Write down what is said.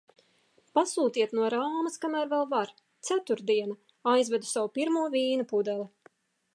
Pasūtiet no Rāmas, kamēr vēl var! Ceturtdiena. Aizvedu savu pirmo vīna pudeli.